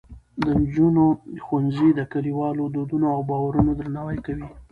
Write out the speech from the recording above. د نجونو ښوونځي د کلیوالو دودونو او باورونو درناوی کوي.